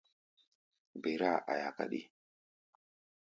Ber-áa aia káɗí.